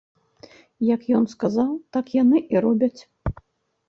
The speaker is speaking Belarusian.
Як ён сказаў, так яны і робяць.